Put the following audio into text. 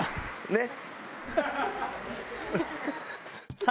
ねっ。